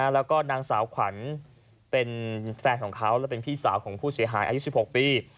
แล้วก็นางสาวขวัญเป็นแฟนของเขาและเป็นพี่สาวของผู้เสียหายอายุ๑๖ปี